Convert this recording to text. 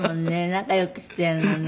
仲良くしているのね。